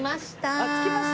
あっ着きました。